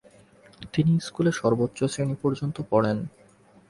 তিনি স্কুলে সর্বোচ্চ শ্রেণি পর্যন্ত পড়েন।